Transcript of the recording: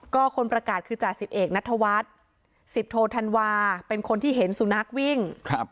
ก็คนประกาศคือจ่าสิบเอกนัทวัฒน์๑๐โทธันวาเป็นคนที่เห็นสุนัขวิ่ง